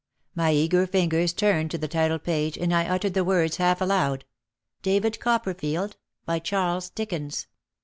My eager fingers turned to the title page and I uttered the words half aloud, "David Copperneld. By Charles Dickens."